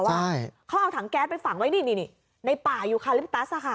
ว่าเขาเอาถังแก๊สไปฝังไว้นี่ในป่ายูคาลิปตัสค่ะ